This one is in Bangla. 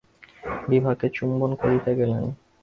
বিভাকে চুম্বন করিতে গেলেন।